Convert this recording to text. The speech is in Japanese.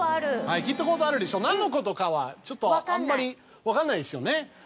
聞いたことあるでしょ何のことかはちょっとあんまり分かんないですよね。